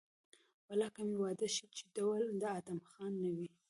والله که مې واده شي چې ډول د ادم خان نه وي.